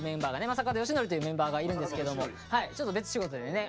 正門良規というメンバーがいるんですけどもちょっと別仕事でね